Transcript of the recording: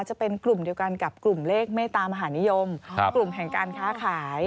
จะเป็นกลุ่มเดียวกันกับกลุ่มเลขเมตามหานิยมกลุ่มแห่งการค้าขาย